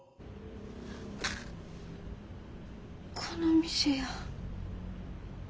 この店や。